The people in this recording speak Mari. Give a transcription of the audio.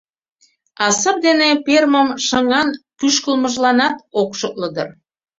А сап дене перымым шыҥан пӱшкылмыжланат ок шотло дыр...